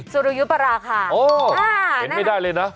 สุริยุปราคาโอ้เห็นไม่ได้เลยนะ